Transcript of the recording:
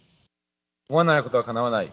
思わないことは、かなわない。